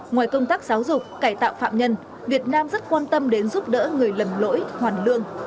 ngoài công tác giáo dục cải tạo phạm nhân việt nam rất quan tâm đến giúp đỡ người lầm lỗi hoàn lương